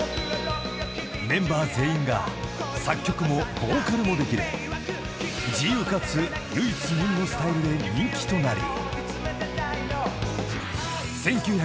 ［メンバー全員が作曲もボーカルもできる自由かつ唯一無二のスタイルで人気となり］